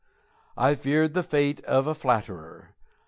I feared the fate of a flatterer.